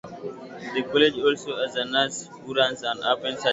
The college also has a nurse who runs an open surgery.